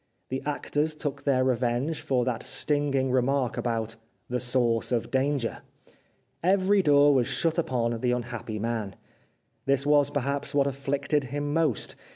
The actors took their revenge for that stinging remark about " the source of danger." Every door was shut upon the un happy man. This was, perhaps, what afflicted him most.